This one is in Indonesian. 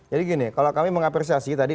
jadi gini kalau kami mengapresiasi tadi